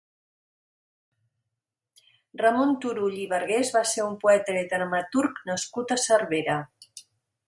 Ramon Turull i Bargués va ser un poeta i dramaturg nascut a Cervera.